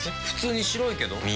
普通に白いけど。